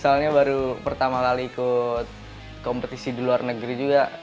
soalnya baru pertama kali ikut kompetisi di luar negeri juga